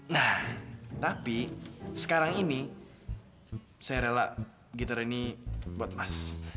nah tapi sekarang ini saya rela gitar ini buat emas